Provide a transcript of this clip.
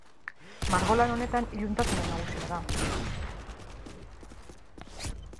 Margolan honetan iluntasuna nagusia da.